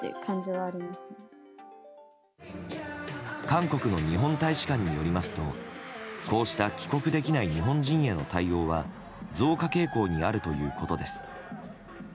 韓国の日本大使館によりますとこうした帰国できない日本人への対応は増加傾向にあるということです。